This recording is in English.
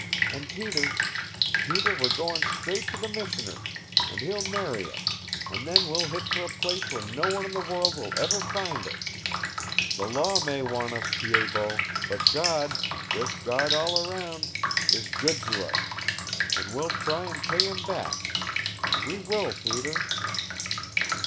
And Peter Peter we're going straight to the Missioner's, and he'll marry us, and then we'll hit for a place where no one in the world will ever find us. The law may want us, Pied Bot, but God this God all around is good to us. And we'll try and pay Him back. We will, Peter!"